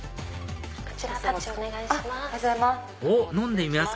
こちらタッチお願いします。